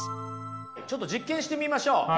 ちょっと実験してみましょう。